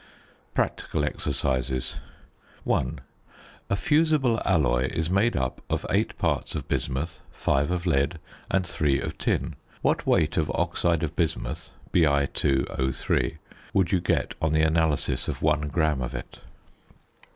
PRACTICAL EXERCISES. 1. A fusible alloy is made up of 8 parts of bismuth, 5 of lead, and 3 of tin. What weight of oxide of bismuth, Bi_O_, would you get on the analysis of 1 gram of it?